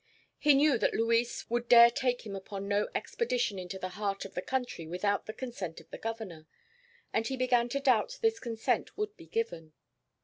He knew that Luis would dare take him upon no expedition into the heart of the country without the consent of the Governor, and he began to doubt this consent would be given.